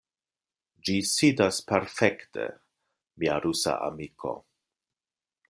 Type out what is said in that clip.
Ĝi sidas perfekte, mia rusa amiko.